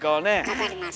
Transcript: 分かります。